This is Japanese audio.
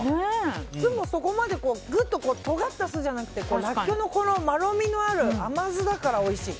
酢もそこまでグッととがった酢じゃなくてラッキョウのまろみのある甘酢だからおいしい。